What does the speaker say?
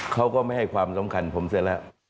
เขาก็ไม่ให้ความสำคัญผมเสียแล้ว